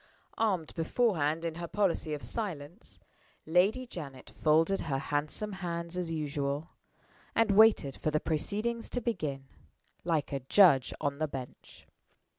Armed beforehand in her policy of silence, Lady Janet folded her handsome hands as usual, and waited for the proceedings to begin, like a judge on the bench.